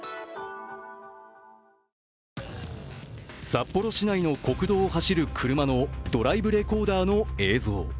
札幌市内の国道を走る車のドライブレコーダーの映像。